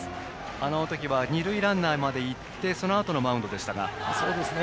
あの時は二塁ランナーまでいってそのあとのマウンドでした。